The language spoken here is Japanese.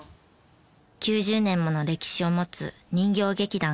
９０年もの歴史を持つ人形劇団プーク。